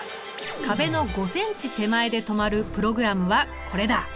壁の５ｃｍ手前で止まるプログラムはこれだ！